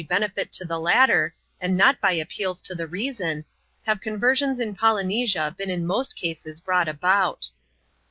187 benefit to the latter, and not by appeals to the reason, have con versions in Polynesia been in most cases brought about.